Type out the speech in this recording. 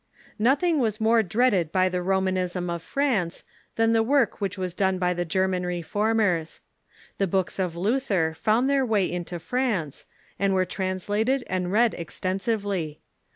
Nothing was more dreaded by the Romanism of France than the work which Avas done by the German Reformers. The Measures books of Luther found tlieir way into France, and against were translated and read extensively.